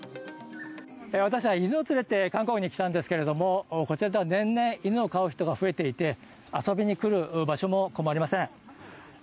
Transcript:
私は犬を連れて韓国に来たんですけれども、こちらでは年々犬を飼う人が増えていて遊びに来る場所も困りません。